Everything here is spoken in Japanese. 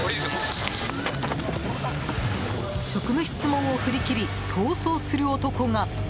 職務質問を振り切り逃走する男が。